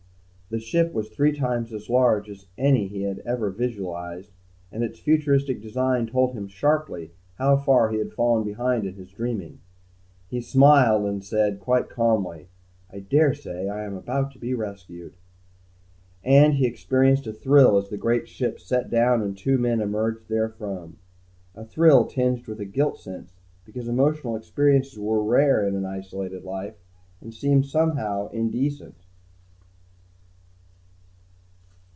The ship was three times as large as any he had ever visualized, and its futuristic design told him, sharply, how far he had fallen behind in his dreaming. He smiled and said, quite calmly, "I daresay I am about to be rescued." And he experienced a thrill as the great ship set down and two men emerged therefrom. A thrill tinged with a guilt sense, because emotional experiences were rare in an isolated life and seemed somehow indecent.